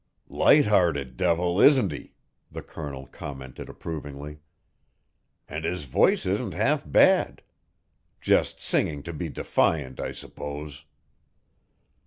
"Light hearted devil, isn't he?" the Colonel commented approvingly. "And his voice isn't half bad. Just singing to be defiant, I suppose."